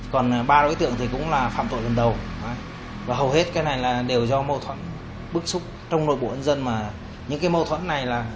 còn ba đối tượng thì cũng là phạm tội lần đầu và hầu hết cái này là đều do mâu thuẫn bức xúc trong nội bộ nhân dân mà những cái mâu thuẫn này là